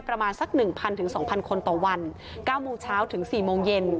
ประมาณสัก๑๐๐๒๐๐คนต่อวัน๙โมงเช้าถึง๔โมงเย็น